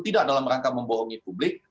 tidak dalam rangka membohongi publik